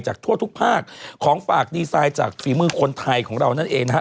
ทั่วทุกภาคของฝากดีไซน์จากฝีมือคนไทยของเรานั่นเองนะฮะ